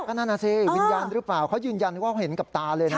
ก็นั่นน่ะสิวิญญาณหรือเปล่าเขายืนยันว่าเขาเห็นกับตาเลยนะ